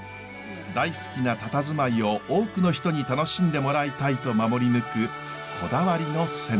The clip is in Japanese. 大好きなたたずまいを多くの人に楽しんでもらいたいと守り抜くこだわりの銭湯。